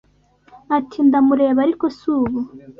Ati ‘Ndamureba ariko si ubu